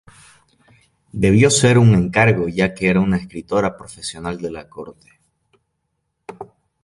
Debió ser un encargo ya que era una escritora profesional de la corte.